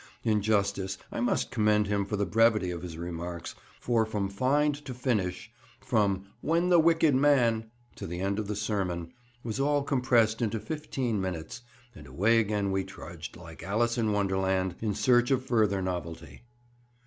In justice I must commend him for the brevity of his remarks, for from find to finish—from "When the wicked man" to the end of the sermon—was all compressed into fifteen minutes, and away we again trudged, like Alice in Wonderland, in search of further novelty.